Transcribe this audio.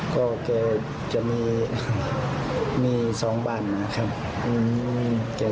ก็แกจะมีมี๒บ้านนะครับ